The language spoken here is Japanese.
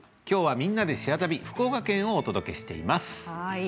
きょうは「みんなでシェア旅」福岡県をお届けしています。